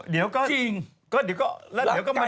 เดี๋ยวก็มาดีกัน